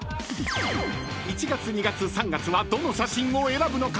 ［１月・２月・３月はどの写真を選ぶのか？］